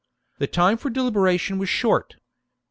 The time for deliberation was short.